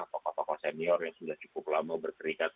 pak pak pak senior yang sudah cukup lama berkerikat